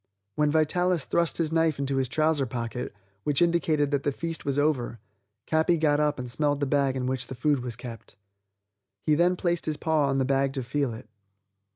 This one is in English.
When Vitalis thrust his knife into his trouser pocket, which indicated that the feast was over, Capi got up and smelled the bag in which the food was kept. He then placed his paw on the bag to feel it.